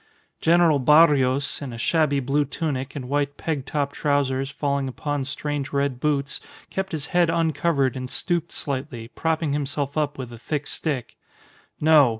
General Barrios, in a shabby blue tunic and white peg top trousers falling upon strange red boots, kept his head uncovered and stooped slightly, propping himself up with a thick stick. No!